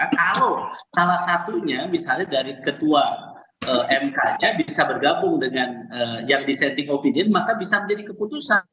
kalau salah satunya misalnya dari ketua mk nya bisa bergabung dengan yang dissenting opinion maka bisa menjadi keputusan